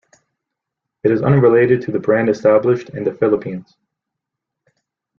It is unrelated to the brand established in the Philippines.